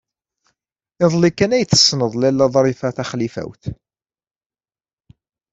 Iḍelli kan ay tessneḍ Lalla Ḍrifa Taxlifawt.